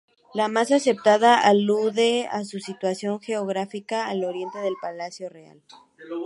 La más aceptada alude a su situación geográfica, al oriente del Palacio Real.